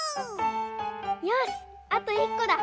よしあといっこだ！